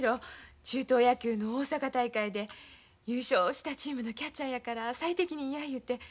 中等野球の大阪大会で優勝したチームのキャッチャーやから最適任やいうて。